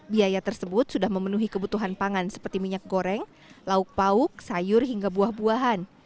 biaya tersebut sudah memenuhi kebutuhan pangan seperti minyak goreng lauk pauk sayur hingga buah buahan